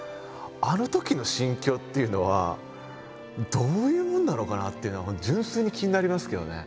あのときの心境っていうのはどういうもんなのかなっていうのが純粋に気になりますけどね。